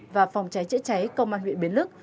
và phòng cháy chữa cháy công an huyện bến lức